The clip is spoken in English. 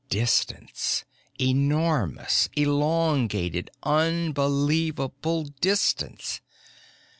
Distance. Enormous, elongated, unbelievable distance.